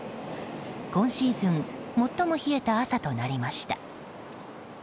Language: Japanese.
今シーズン最も冷えた朝となりました。